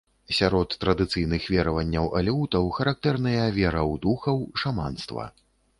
Сярод традыцыйных вераванняў алеутаў характэрныя вера ў духаў, шаманства.